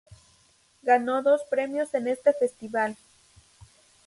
Ganó dos premios en este festival.